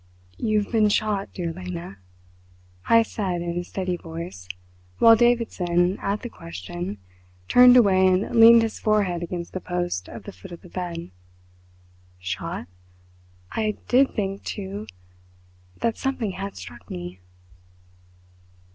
"You have been shot, dear Lena," Heyst said in a steady voice, while Davidson, at the question, turned away and leaned his forehead against the post of the foot of the bed. "Shot? I did think, too, that something had struck me."